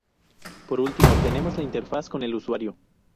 Por último, tenemos la interfaz con el usuario.